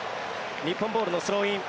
日本ボールのスローイン。